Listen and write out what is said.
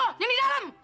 nyonyo di dalam